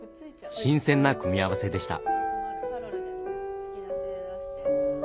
新鮮な組み合わせでした。